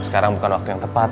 sekarang bukan waktu yang tepat